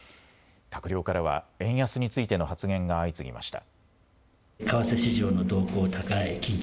閣僚からは円安についての発言が相次ぎました。